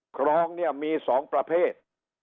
ครองเนี่ยมี๒ประเภท